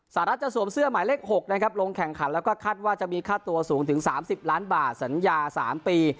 สหรัฐจะสวมเสื้อหมายเลข๖นะครับลงแข่งขันแล้วก็คาดว่าจะมีค่าตัวสูงถึง๓๐ล้านบาทสัญญา๓ปี